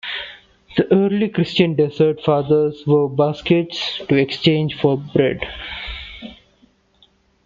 The early Christian Desert Fathers wove baskets to exchange for bread.